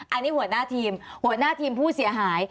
อันนี้หัวหน้าทีมหัวหน้าทีมผู้เสียหาย